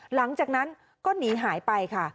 หลังจากนั้นก็หนีหายไปค่ะ